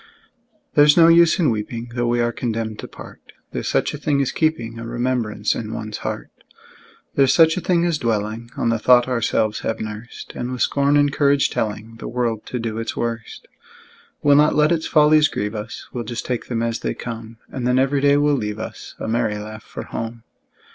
There's no use in weeping, Though we are condemned to part: There's such a thing as keeping A remembrance in one's heart: There's such a thing as dwelling On the thought ourselves have nursed, And with scorn and courage telling The world to do its worst. We'll not let its follies grieve us, We'll just take them as they come; And then every day will leave us A merry laugh for home.